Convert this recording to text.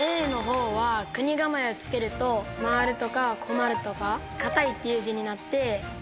Ａのほうはくにがまえを付けると回るとか困るとか固いっていう字になって。